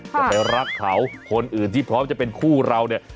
อย่าไปรักเขาคนอื่นดีกว่าจะเป็นคู่เราเนี่ย